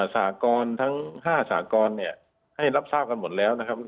สากรทั้ง๕สากรให้รับทราบกันหมดแล้วนะครับ